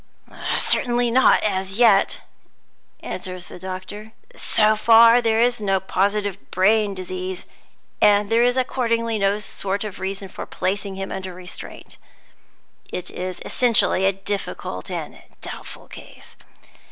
"Certainly not as yet," answers the doctor. "So far there is no positive brain disease; and there is accordingly no sort of reason for placing him under restraint. It is essentially a difficult and a doubtful case.